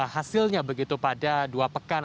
hasilnya begitu pada dua pekan